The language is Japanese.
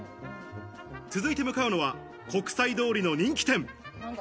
続いて向かうのは国際通りの人気店。